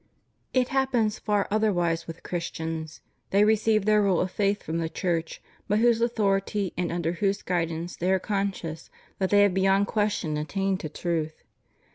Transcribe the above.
It happens far otherwise with Christians: they receive their rule of faith from the Church, by whose authority and under whose guidance they are conscious that they have beyond question attained to truth.